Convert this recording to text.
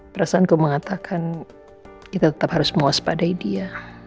perasaanku mengatakan kita tetap harus muas padai dia